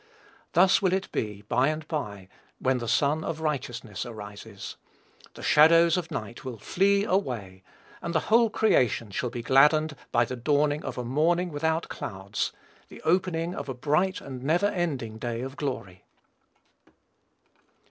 Thus will it be, by and by, when the Sun of righteousness arises. The shadows of night shall flee away, and the whole creation shall be gladdened by the dawning of "a morning without clouds," the opening of a bright and never ending day of glory.